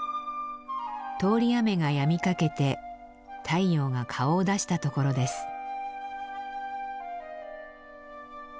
通り雨がやみかけて太陽が顔を出したところです。